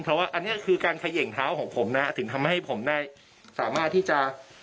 เพราะว่าอันนี้คือการเขย่งเท้าของผมนะถึงทำให้ผมได้สามารถที่จะ